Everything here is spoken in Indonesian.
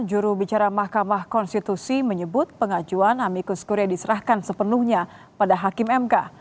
juru bicara mahkamah konstitusi menyebut pengajuan amikus kure diserahkan sepenuhnya pada hakim mk